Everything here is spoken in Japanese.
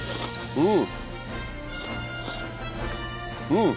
うん！